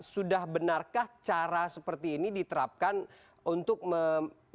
sudah benarkah cara seperti ini diterapkan untuk memperbaiki